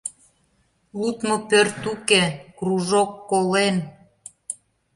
Лудмо пӧрт уке, кружок колен...